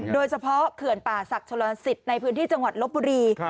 โดยเฉพาะเขื่อนป่าศักดิ์ชะลอนศิษย์ในพื้นที่จังหวัดลบบุรี